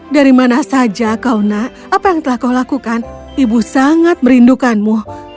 dari mana saja kau nak apa yang telah kau lakukan ibu sangat merindukanmu